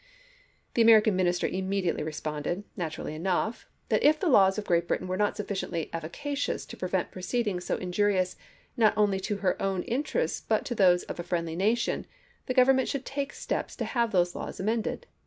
The American Minister immediately re sponded, naturally enough, that if the laws of Grreat Britain were not sufficiently efficacious to prevent proceedings so injurious not only to her own interests but to those of a friendly nation, the Government should take steps to have those laws amended.